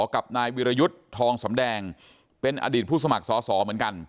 กับนายวิรยุทธ์ทองสำแดงเป็นอดีตผู้สมัครสอสอเหมือนกัน